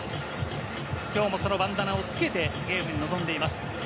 今日もそのバンダナをつけて、ゲームに臨んでいます。